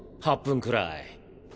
８分くらい。